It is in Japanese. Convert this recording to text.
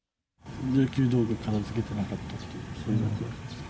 野球道具を片づけてなかったとか、そういうのですね。